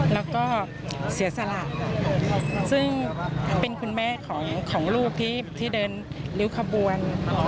แล้วก็เสียสละซึ่งเป็นคุณแม่ของลูกที่เดินริ้วขบวน